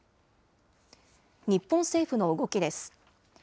日本政府の動きです。